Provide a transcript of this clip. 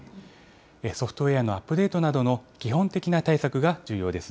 ソフトウエアのアップデートなどの基本的な対策が重要です。